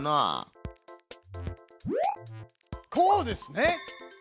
こうですね！